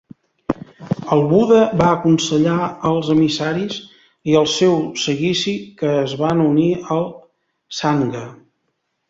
El Buda va aconsellar els emissaris i el seu seguici, que es van unir al "Sangha".